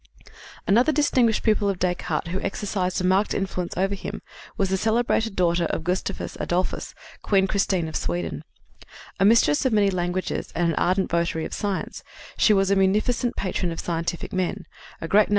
Another distinguished pupil of Descartes who exercised a marked influence over him was the celebrated daughter of Gustavus Adolphus, Queen Christine of Sweden. A mistress of many languages and an ardent votary of science, she was a munificent patron of scientific men, a great number of whom she had attracted to her court.